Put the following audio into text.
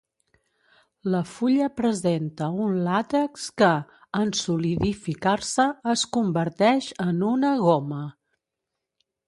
La fulla presenta un làtex que en solidificar-se es converteix en una goma.